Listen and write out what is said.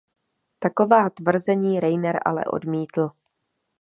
Taková tvrzení Reiner ale odmítl.